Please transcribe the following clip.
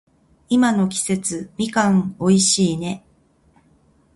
今の季節、みかん美味しいね。